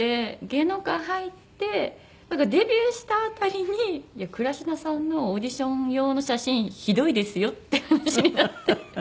芸能界に入ってデビューしたあたりに「倉科さんのオーディション用の写真ひどいですよ」っていう話になって。